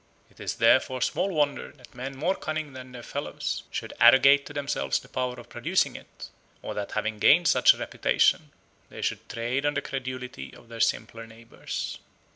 It is therefore small wonder that men more cunning than their fellows should arrogate to themselves the power of producing it, or that having gained such a reputation, they should trade on the credulity of their simpler neighbours."